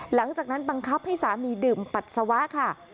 หลังจากนั้นบังคับให้สามีดื่มปัสสาวะค่ะ